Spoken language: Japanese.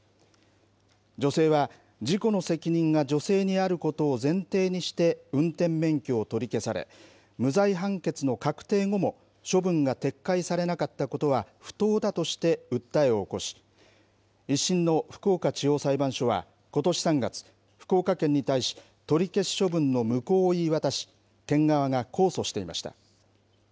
女性は、事故の責任が女性にあることを前提にして運転免許を取り消され、無罪判決の確定後も処分が撤回されなかったことは不当だとして訴えを起こし、１審の福岡地方裁判所は、ことし３月、福岡県に対し、取り消し処分の無効を言い渡し、県側が控訴していました。